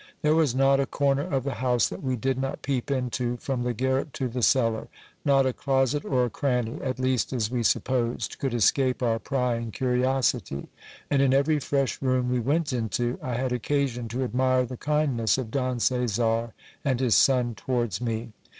There was not a corner of the house that we did not peep into, from the garret to the cellar : not a closet or a cranny, at least as we supposed, could escape our prying curiosity; and in every fresh room we went into, I had occasion to admire the kindness of Don Caesar and his son towards me.